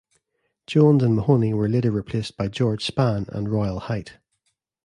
Jones and Mahoney were later replaced by George Spann and Royal Height.